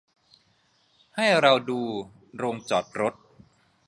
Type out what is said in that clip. ให้เราดูโรงจอดรถ